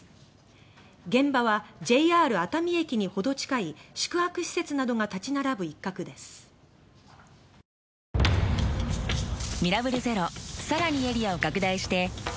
現場はＪＲ熱海駅にほど近い宿泊施設などが立ち並ぶ一角ですどうしたんですか？